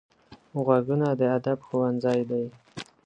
غوږونه د ادب ښوونځی دي